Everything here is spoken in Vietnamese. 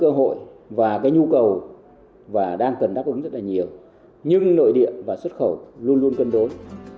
cơ hội và cái nhu cầu và đang cần đáp ứng rất là nhiều nhưng nội địa và xuất khẩu luôn luôn cân đối